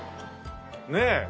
ねえ。